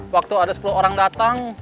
waktu ada sepuluh orang datang